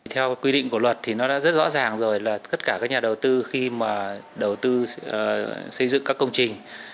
theo quy định của luật thì nó đã rất rõ ràng rồi là tất cả các nhà đầu tư khi mà đầu tư xây dựng các công trình